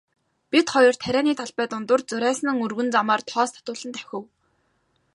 Бид хоёр тарианы талбай дундуур зурайсан өргөн замаар тоос татуулан давхив.